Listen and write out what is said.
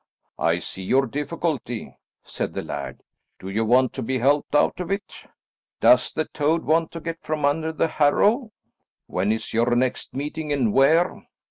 "I see your difficulty," said the laird; "do you want to be helped out of it?" "Does the toad want to get from under the harrow?" "When is your next meeting, and where?"